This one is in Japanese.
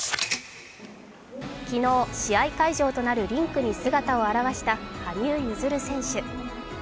昨日、試合会場となるリンクに姿を現した羽生結弦選手。